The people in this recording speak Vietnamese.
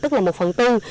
tức là một phần tư